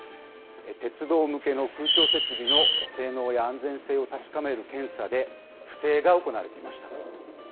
鉄道向けの空調設備の性能や安全性を確かめる検査で、不正が行われていました。